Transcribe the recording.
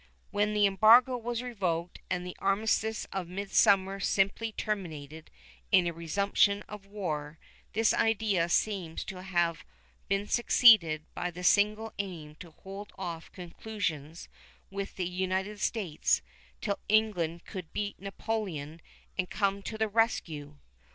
When the embargo was revoked and the armistice of midsummer simply terminated in a resumption of war, this idea seems to have been succeeded by the single aim to hold off conclusions with the United States till England could beat Napoleon and come to the rescue.